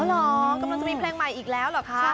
เหรอกำลังจะมีเพลงใหม่อีกแล้วเหรอคะ